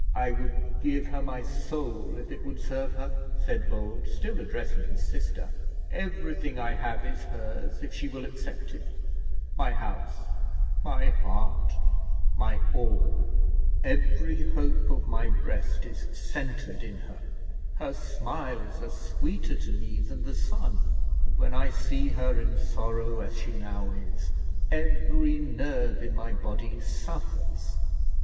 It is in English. "I would give her my soul, if it would serve her," said Bold, still addressing his sister; "everything I have is hers, if she will accept it; my house, my heart, my all; every hope of my breast is centred in her; her smiles are sweeter to me than the sun, and when I see her in sorrow as she now is, every nerve in my body suffers.